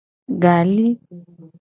Gali.